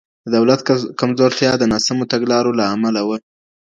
د دولت کمزورتیا د ناسمو تګلارو له امله وه.